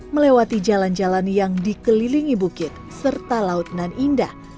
melewati jalan jalan yang dikelilingi bukit serta laut nan indah